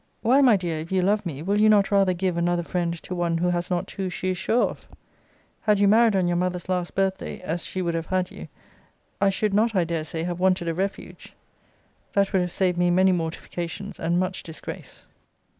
Why, my dear, if you love me, will you not rather give another friend to one who has not two she is sure of? Had you married on your mother's last birth day, as she would have had you, I should not, I dare say, have wanted a refuge; that would have saved me many mortifications, and much disgrace.